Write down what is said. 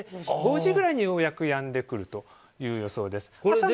５時ぐらいにようやく、やんでくるという予想です。